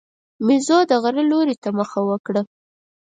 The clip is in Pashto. مېزو د غره لوري ته مخه وکړه.